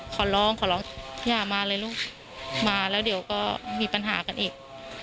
ขอร้องขอร้องอย่ามาเลยลูกมาแล้วเดี๋ยวก็มีปัญหากันอีก